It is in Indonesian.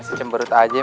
masih cemberut aja mi